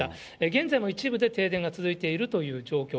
現在も一部で停電が続いているという状況。